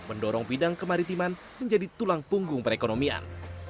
mendorong bidang kemaritiman menjadi tulang punggung perekonomian